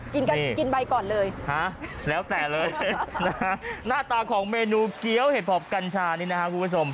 กินใบก่อนเลยฮะแล้วแต่เลยนะฮะหน้าตาของเมนูเกี้ยวเห็ดหอบกัญชานี่นะครับคุณผู้ชม